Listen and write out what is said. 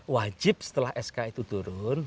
wajib setelah sk itu turun